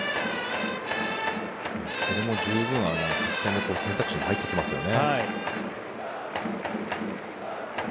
それも十分作戦の選択肢に入ってきますよね。